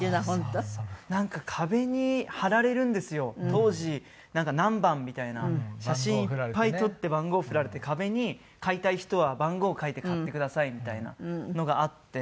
当時何番みたいな写真いっぱい撮って番号振られて壁に「買いたい人は番号を書いて買ってください」みたいなのがあって。